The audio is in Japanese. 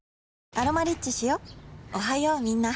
「アロマリッチ」しよおはようみんな